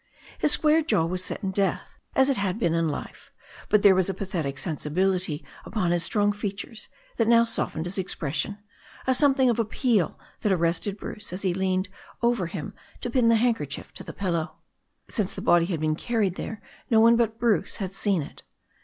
His square jaw was set in death as it had been in life, but there was a pathetic sensibility upon his strong features that now softened his expression, a something of appeal that arrested Bruce as he leaned over him to pin the handkerchief to the pillow Since the body had been carried there no one but Bruce had seen it.